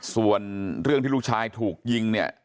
ส่วนเรื่องที่ลูกชายถูกยิงเนี่ย